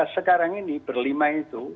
sekarang ini berlima itu